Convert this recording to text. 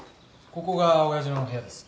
ここが親父の部屋です。